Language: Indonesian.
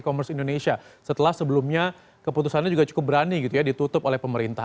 commerce indonesia setelah sebelumnya keputusannya juga cukup berani gitu ya ditutup oleh pemerintah